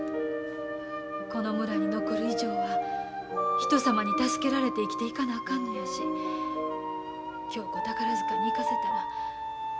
この村に残る以上は人様に助けられて生きていかなあかんのやし恭子を宝塚に行かせたらぜいたくやて言われるかもしれへん。